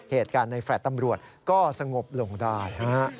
เหตุการณ์ในแฟลต์ตำรวจก็สงบลงได้